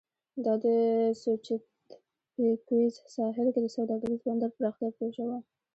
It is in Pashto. دا د سوچیتپیکویز ساحل کې د سوداګریز بندر پراختیا پروژه وه.